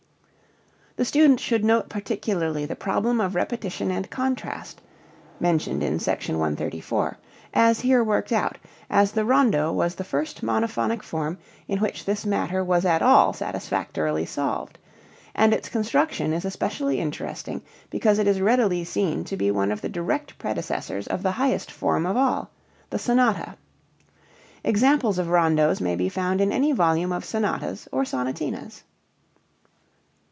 The student should note particularly the problem of repetition and contrast (mentioned in Sec. 134) as here worked out, as the rondo was the first monophonic form in which this matter was at all satisfactorily solved, and its construction is especially interesting because it is readily seen to be one of the direct predecessors of the highest form of all the sonata. Examples of rondos may be found in any volume of sonatas or sonatinas.